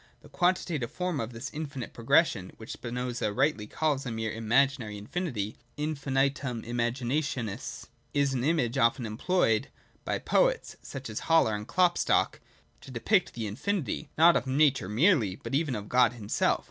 The quantitative form of this infinite progression, which Spinoza rightly calls a mere imaginary infinity [infinitum imaginationis), is an image often employed by poets, such as Haller and Klopstock, to depict the infinity, not of Nature merely, but even of God himself.